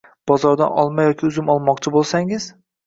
Bozordan olma yoki uzum olmoqchi bo‘lsangiz